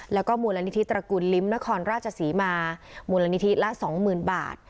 แล้วก็มูลนิธิตระกูลลิ้มนครราชศรีมามูลนิธิละ๒๐๐๐บาท